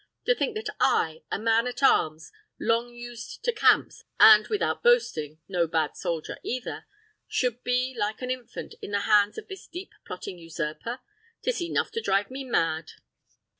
To think that I, a man at arms, long used to camps, and, without boasting, on bad soldier either, should be, like an infant, in the hands of this deep plotting usurper! 'Tis enough to drive me mad!"